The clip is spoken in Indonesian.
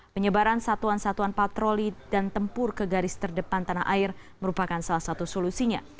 penyebaran satuan satuan patroli dan tempur ke garis terdepan tanah air merupakan salah satu solusinya